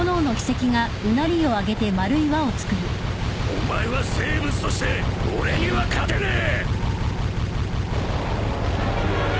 お前は生物として俺には勝てねえ！